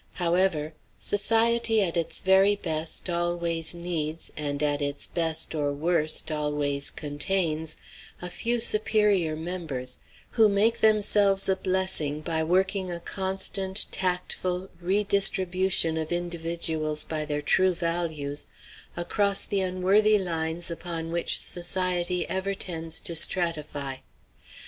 However: Society, at its very best, always needs, and at its best or worst always contains, a few superior members, who make themselves a blessing by working a constant, tactful redistribution of individuals by their true values, across the unworthy lines upon which society ever tends to stratify.